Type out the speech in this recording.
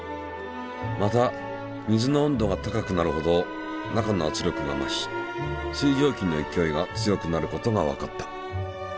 また水の温度が高くなるほど中の圧力が増し水蒸気の勢いが強くなることがわかった。